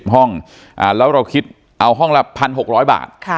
ห้องแล้วเราคิดเอาห้องละ๑๖๐๐บาท